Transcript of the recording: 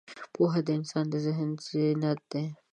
پوهه د انسان د ذهن زینت ده.